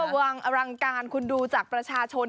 ระวังอลังการคุณดูจากประชาชน